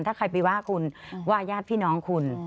ถ้าใครไปว่าคุณว่าญาติพี่น้องคุณ